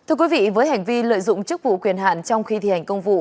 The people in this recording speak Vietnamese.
thưa quý vị với hành vi lợi dụng chức vụ quyền hạn trong khi thi hành công vụ